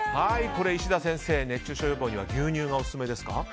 石田先生、熱中症予防には牛乳がオススメですか。